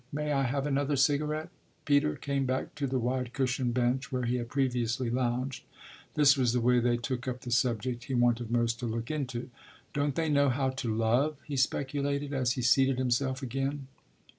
May I have another cigarette?" Peter came back to the wide, cushioned bench where he had previously lounged: this was the way they took up the subject he wanted most to look into. "Don't they know how to love?" he speculated as he seated himself again.